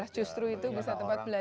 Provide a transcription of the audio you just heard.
justru itu bisa tempat belajar